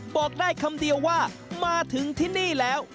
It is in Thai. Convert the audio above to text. บอกได้คำเดียวว่ามาถึงที่นี่แล้ว